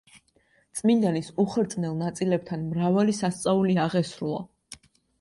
წმინდანის უხრწნელ ნაწილებთან მრავალი სასწაული აღესრულა.